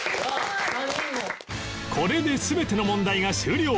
これで全ての問題が終了